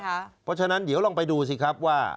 เพราะฉะนั้นเดี๋ยวลองไปดูสิครับว่า